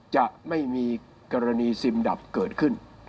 จะไม่มีกรณีซิมดับเกิดขึ้น